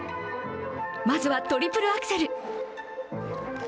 まずはトリプルアクセル。